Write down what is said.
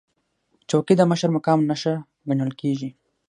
چوکۍ د مشر مقام نښه ګڼل کېږي.